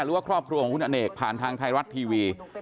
หรือว่าครอบครัวของคุณอเนกผ่านทางไทยรัฐทีวี